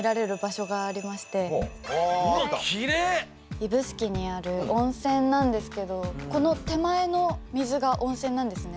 指宿にある温泉なんですけどこの手前の水が温泉なんですね。